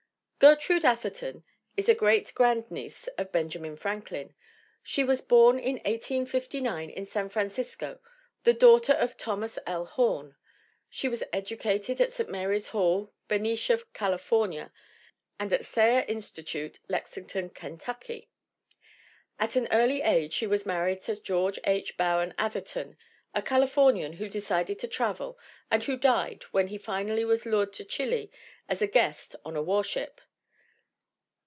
Gertrude Atherton is a great grandniece of Ben jamin Franklin. She was born in 1859 in San Fran cisco, the daughter of Thomas L. Horn. She was educated at St. Mary's Hall, Benicia, California, and 46 THE WOMEN WHO MAKE OUR NOVELS at Sayre Institute, Lexington, Kentucky. At an early age she was married to George H. Bowen Atherton, a Calif ornian who declined to travel and who died when he finally was lured to Chile as a guest on a warship.